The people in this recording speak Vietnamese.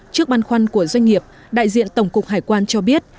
trước băn khoăn của doanh nghiệp đại diện tổng cục hải quan cho biết